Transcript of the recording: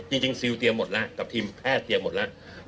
จริงซิลเตรียมหมดแล้วกับทีมแพทย์เตรียมหมดแล้ว